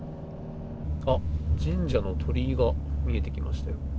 あっ、神社の鳥居が見えてきました。